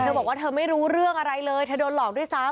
บอกว่าเธอไม่รู้เรื่องอะไรเลยเธอโดนหลอกด้วยซ้ำ